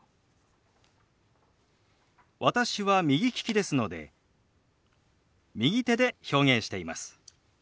私は右利きですので右手で表現しています。